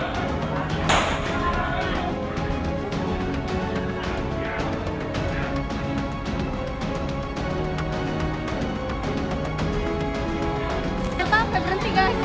gak sampai berhenti guys